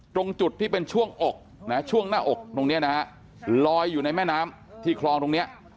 ตรงจุดที่เป็นช่วงอกนะช่วงหน้าอกตรงนี้นะฮะลอยอยู่ในแม่น้ำที่คลองตรงนี้